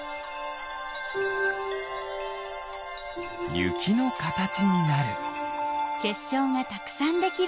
ゆきのかたちになる。